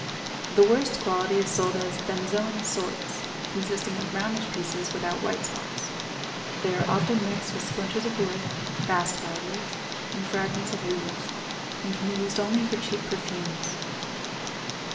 The worst quality is sold as "benzoin sorts," consisting of brownish pieces without white spots; they are often mixed with splinters of wood, bast fibres, and fragments of leaves, and can be used only for cheap perfumes.